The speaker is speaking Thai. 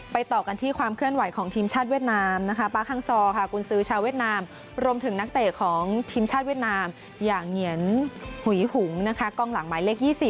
ต่อกันที่ความเคลื่อนไหวของทีมชาติเวียดนามนะคะปาร์ฮังซอค่ะกุญซือชาวเวียดนามรวมถึงนักเตะของทีมชาติเวียดนามอย่างเหงียนหุยหุงนะคะกล้องหลังหมายเลข๒๐